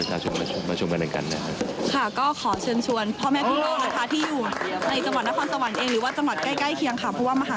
อาจจะลงเองนะคะน้องหนูเตรียมไปดูค่ะ